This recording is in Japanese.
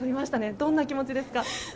どんな気持ちですか？